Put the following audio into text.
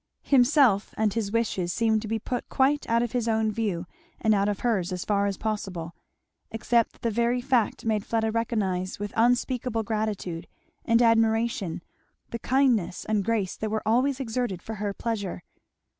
Himself and his wishes seemed to be put quite out of his own view, and out of hers as far as possible; except that the very fact made Fleda recognize with unspeakable gratitude and admiration the kindness and grace that were always exerted for her pleasure.